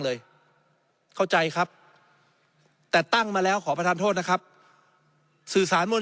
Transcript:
เลยเข้าใจครับแต่ตั้งมาแล้วขอประทานโทษนะครับสื่อสารมวล